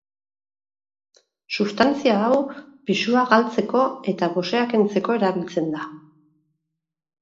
Substantzia hau pisua galtzeko eta gosea kentzeko erabiltzen da.